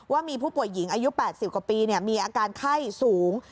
ว่ามีผู้ป่วยหญิงอายุ๘๐กว่าปีมีอาการไข้สูง